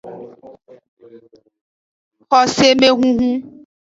Xosemehunhun.